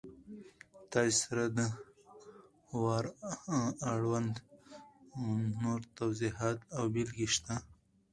تاسې سره د وار اړوند نور توضیحات او بېلګې شته!